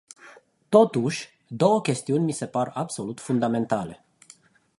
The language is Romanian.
Totuși, două chestiuni mi se par absolut fundamentale.